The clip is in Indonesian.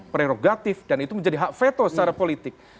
prerogatif dan itu menjadi hak veto secara politik